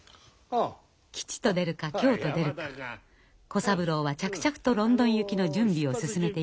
吉と出るか凶と出るか小三郎は着々とロンドン行きの準備を進めていきました。